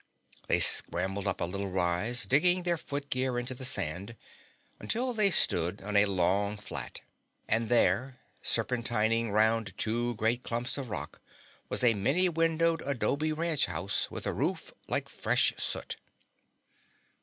They scrambled up a little rise, digging their footgear into the sand, until they stood on a long flat. And there, serpentining around two great clumps of rock, was a many windowed adobe ranch house with a roof like fresh soot.